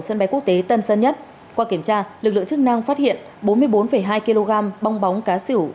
sân bay quốc tế tân sơn nhất qua kiểm tra lực lượng chức năng phát hiện bốn mươi bốn hai kg bong bóng cá xỉu